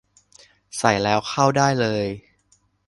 ใส่แล้วเข้าได้เลย